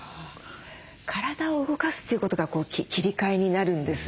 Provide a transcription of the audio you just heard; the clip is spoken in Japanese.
体を動かすということが切り替えになるんですね。